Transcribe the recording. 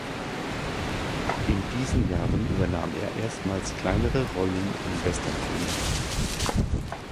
In diesen Jahren übernahm er erstmals kleinere Rollen in Western-Filmen.